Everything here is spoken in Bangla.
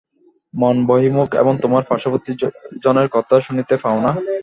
মন বহির্মুখ এবং তোমার পার্শ্ববর্তী জনের কথা শুনিতে পাও না।